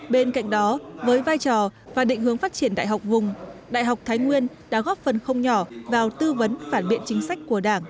bên cạnh đó với vai trò và định hướng phát triển đại học vùng đại học thái nguyên đã góp phần không nhỏ vào tư vấn phản biện chính sách của đảng